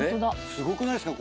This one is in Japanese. すごくないっすか？